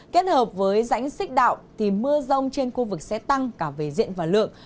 kết hợp với rãnh xích đạo thì mưa rông trên khu vực sẽ tăng cả về diện và lượng